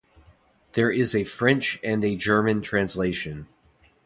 There is a French and a German translation.